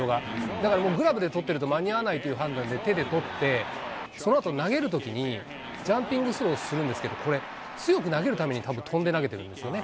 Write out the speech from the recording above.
だからもう、グラブで捕ってると間に合わないという判断で、手で捕って、そのあと投げるときに、ジャンピングスローするんですけど、これ、強く投げるために、たぶん飛んで投げてるんですよね。